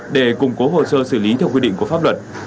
để củng cố hồ sơ xử lý theo quy định của pháp luật